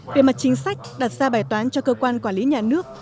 về mặt chính sách đặt ra bài toán cho cơ quan quản lý nhà nước